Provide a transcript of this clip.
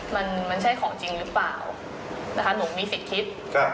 มันมันใช่ของจริงหรือเปล่านะคะหนูมีสิทธิ์คิดครับ